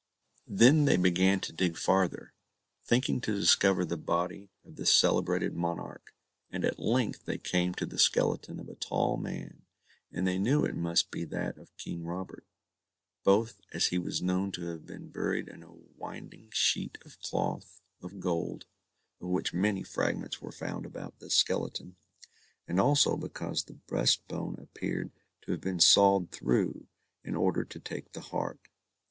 Then they began to dig farther, thinking to discover the body of this celebrated monarch; and at length they came to the skeleton of a tall man, and they knew it must be that of King Robert, both as he was known to have been buried in a winding sheet of cloth of gold, of which many fragments were found about this skeleton, and also because the breastbone appeared to have been sawed through, in order to take the heart.